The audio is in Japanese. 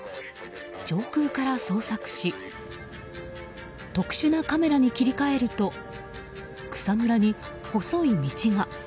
上空から捜索し特殊なカメラに切り替えると草むらに細い道が。